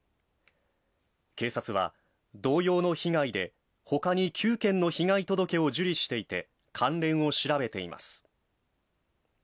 警察は同様の被害で、他に９件の被害届を受理していて、関連を調べています。